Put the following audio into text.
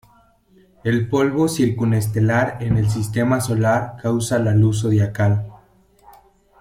El polvo circunestelar en el Sistema Solar causa la luz zodiacal.